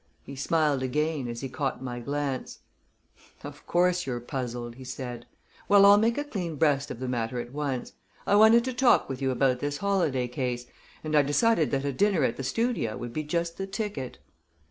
He smiled again, as he caught my glance. "Of course you're puzzled," he said. "Well, I'll make a clean breast of the matter at once. I wanted to talk with you about this Holladay case, and I decided that a dinner at the Studio would be just the ticket."